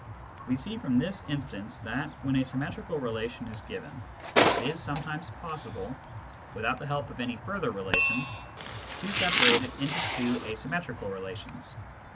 We see from this instance that, when a symmetrical relation is given, it is sometimes possible, without the help of any further relation, to separate it into two asymmetrical relations.